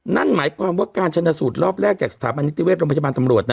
นั่นหมายความว่าการชนะสูตรรอบแรกจากสถาบันนิติเวชโรงพยาบาลตำรวจนะ